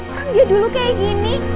orang dia dulu kayak gini